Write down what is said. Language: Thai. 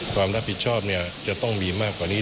ความรับผิดชอบจะต้องมีมากกว่านี้